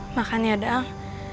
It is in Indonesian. makan ya daang